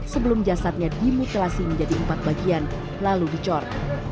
sebelum jasadnya dimutilasi menjadi empat bagian lalu dicor